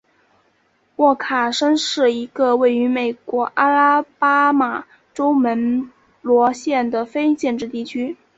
沃卡申是一个位于美国阿拉巴马州门罗县的非建制地区。